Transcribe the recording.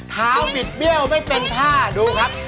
บิดเบี้ยวไม่เป็นท่าดูครับ